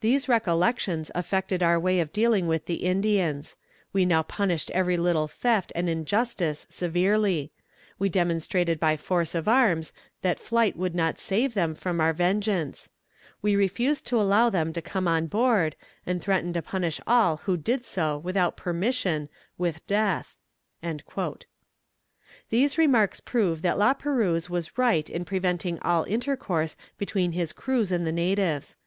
"These recollections affected our way of dealing with the Indians. We now punished every little theft and injustice severely; we demonstrated by force of arms that flight would not save them from our vengeance; we refused to allow them to come on board, and threatened to punish all who did so without permission with death." These remarks prove that La Perouse was right in preventing all intercourse between his crews and the natives.